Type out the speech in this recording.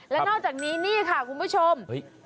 และนอกจากนี้นี่ค่ะคุณผู้ชม